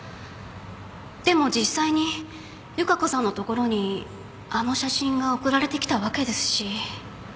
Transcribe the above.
でも実際に由加子さんの所にあの写真が送られてきたわけですし。